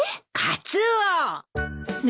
カツオ！